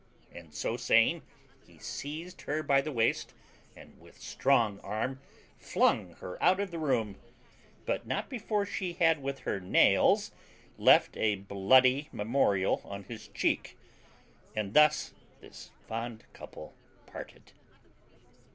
And so saying, he seized her by the waist, and with strong arm flung her out of the room; but not before she had with her nails left a bloody memorial on his cheek: and thus this fond couple parted.